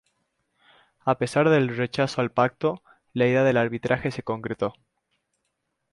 A pesar del rechazo al pacto, la idea del arbitraje se concretó.